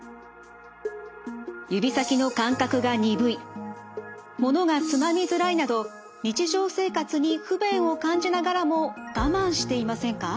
指先の感覚が鈍いものがつまみづらいなど日常生活に不便を感じながらも我慢していませんか？